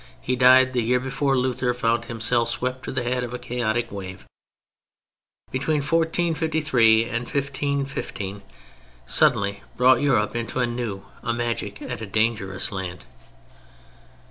He died the year before Luther found himself swept to the head of a chaotic wave.] between 1453 and 1515) suddenly brought Europe into a new, a magic, and a dangerous land.